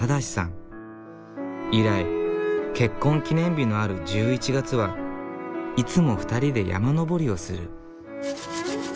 以来結婚記念日のある１１月はいつも２人で山登りをする。